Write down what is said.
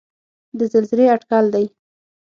د زلزلې اټکل دی.